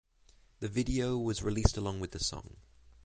The video was released along with the song.